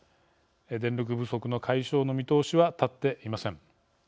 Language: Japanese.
電力不足の解消の見通しは立っていません。